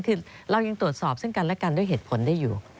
คือเรายังตรวจสอบซึ่งกันและกันด้วยเหตุผลได้อยู่